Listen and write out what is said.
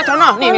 tidak akan ada